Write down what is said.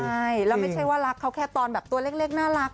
ใช่แล้วไม่ใช่ว่ารักเขาแค่ตอนแบบตัวเล็กน่ารัก